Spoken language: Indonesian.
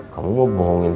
kamu mau bohongin